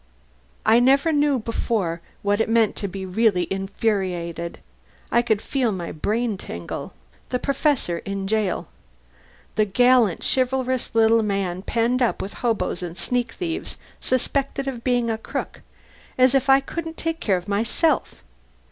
I never knew before what it means to be really infuriated. I could feel my brain tingle. The Professor in jail! The gallant, chivalrous little man, penned up with hoboes and sneak thieves suspected of being a crook... as if I couldn't take care of myself!